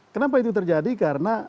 kenapa itu terjadi karena